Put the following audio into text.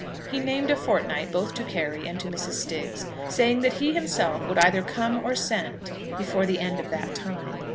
He named a fortnight both to Carry and to Mrs. Stiggs, saying that he himself would either come or send before the end of that time.